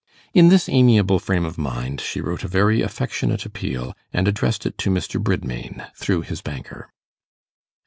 In this amiable frame of mind she wrote a very affectionate appeal, and addressed it to Mr. Bridmain, through his banker.